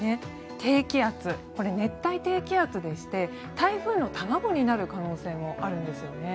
低気圧これ、熱帯低気圧でして台風の卵になる可能性もあるんですよね。